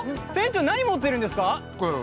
何を持ってるんですか？